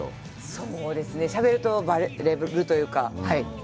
そうですね、しゃべるとバレるというか。